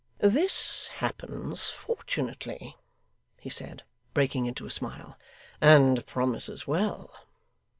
'This happens fortunately,' he said, breaking into a smile, 'and promises well.